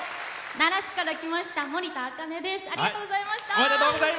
奈良市から来ましたもりたです。